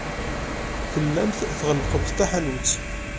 Tellamt tɣellqemt taḥanut.